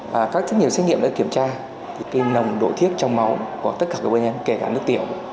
và các sinh nghiệm đã kiểm tra thì nồng độ thiết trong máu của tất cả các bệnh nhân kể cả nước tiểu